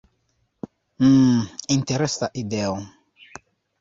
Hm, interesa ideo.